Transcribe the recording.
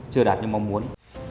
chưa đạt như mong muốn